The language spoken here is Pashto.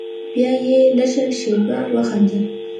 بيا يې لږه شېبه وخندل.